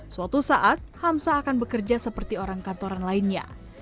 suatu saat hamsa akan bekerja seperti orang kantoran lainnya